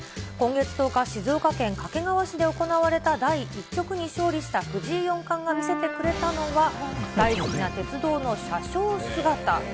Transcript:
今月１０日、静岡県掛川市で行われた第１局に勝利した藤井四冠が見せてくれたのが、大好きな鉄道の車掌姿。